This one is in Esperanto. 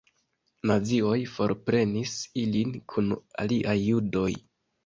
Nazioj forprenis ilin kun aliaj judoj.